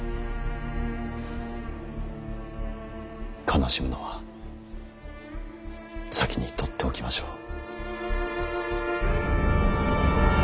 悲しむのは先に取っておきましょう。